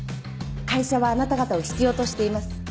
会社はあなた方を必要としています。